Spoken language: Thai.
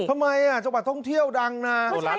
ทำไมจังหวัดท่องเที่ยวดังนะ